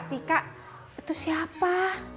tika itu siapa